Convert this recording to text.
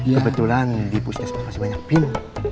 kebetulan di puskesmas masih banyak pin